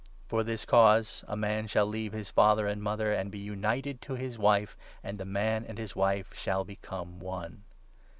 ' For this cause a man shall leave his father and mother, and 31 be united to his wife ; and the man and his wife shall become one.'